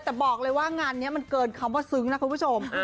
แต่บอกเลยว่างานนี้มันเกินคำว่าซึ้งนะคุณผู้ชม